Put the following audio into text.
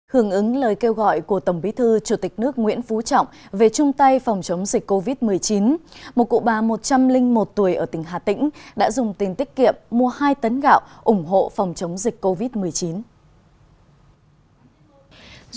hưởng ứng lời kêu gọi của tổng bí thư chủ tịch nước nguyễn phú trọng về chung tay phòng chống dịch covid một mươi chín một cụ bà một trăm linh một tuổi ở tỉnh hà tĩnh đã dùng tiền tiết kiệm mua hai tấn gạo ủng hộ phòng chống dịch covid một mươi chín